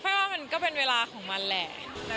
ว่ามันก็เป็นเวลาของมันแหละ